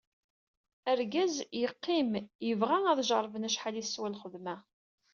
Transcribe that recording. Argaz, yeqqim, yebɣa ad jerrben acḥal i teswa lxedma.